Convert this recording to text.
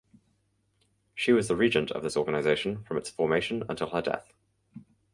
She was the regent of this organization from its formation until her death.